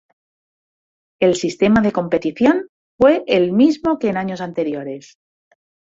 El sistema de competición fue el mismo que en años anteriores.